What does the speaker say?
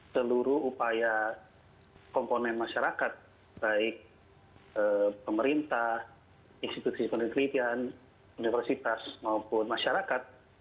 seluruh upaya komponen masyarakat baik pemerintah institusi penelitian universitas maupun masyarakat